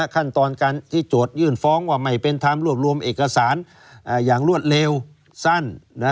ขั้นตอนการที่โจทยื่นฟ้องว่าไม่เป็นธรรมรวบรวมเอกสารอย่างรวดเร็วสั้น